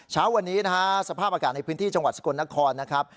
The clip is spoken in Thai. เช้าวันนี้นะฮะสภาพอากาศในพื้นที่จังหวัดสกลนครนะครับ